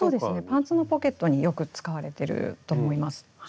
パンツのポケットによく使われてると思います。